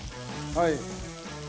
はい。